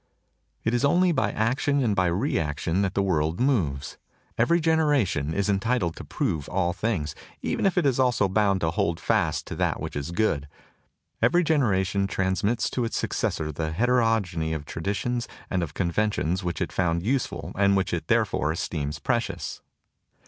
It is only by action and by reaction that the world moves. Every generation is entitled to prove all things, even if it is also bound to hold fast to that which is good. Every generation transmits to its suc cessor the heterogeny of traditions and of con ventions which it found useful and which it therefore esteems precious.